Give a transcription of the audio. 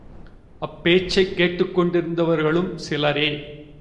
அப் பேச்சைக் கேட்டுக் கொண்டிருந்தவர்களும் சிலரே.